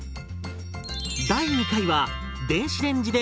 第２回は電子レンジで簡単！